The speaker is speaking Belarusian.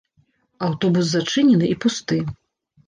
Аўтобус зачынены і пусты.